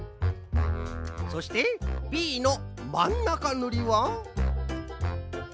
そしてＢのまん中ぬりは。